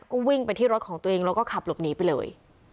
ก็วิ่งไปที่รถของตัวเองแล้วก็ขับหลบหนีไปเลย